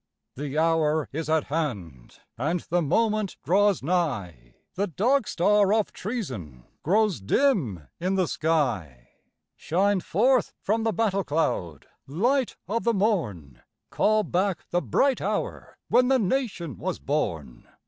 The hour is at hand, and the moment draws nigh; The dog star of treason grows dim in the sky; Shine forth from the battle cloud, light of the morn, Call back the bright hour when the Nation was born!